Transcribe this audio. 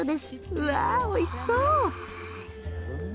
うわおいしそう！